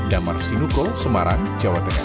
damar sinuko semarang jawa tengah